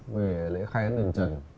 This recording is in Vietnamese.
về lễ khai ấn đền trần